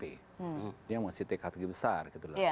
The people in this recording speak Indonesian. dia masih teka teki besar